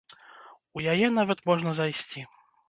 У яе нават можна зайсці.